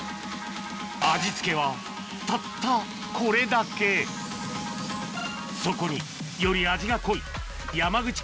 味付けはたったこれだけそこにより味が濃いやまぐち